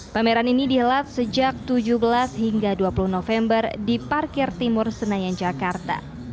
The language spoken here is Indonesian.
pameran ini dihelat sejak tujuh belas hingga dua puluh november di parkir timur senayan jakarta